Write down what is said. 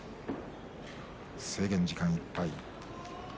制限時間いっぱい。